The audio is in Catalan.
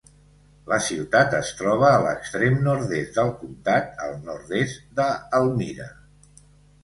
La ciutat es troba a l'extrem nord-est del comtat, al nord-est de Elmira.